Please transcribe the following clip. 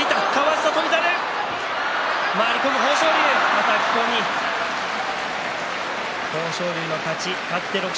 はたき込み、豊昇龍の勝ち。